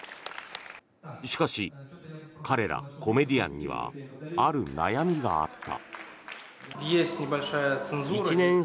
しかし、彼らコメディアンにはある悩みがあった。